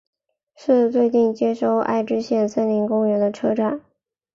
是最接近爱知县森林公园的车站。